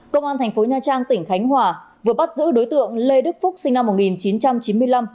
công an thành phố nha trang tỉnh khánh hòa vừa bắt giữ đối tượng lê đức phúc sinh năm một nghìn chín trăm chín mươi năm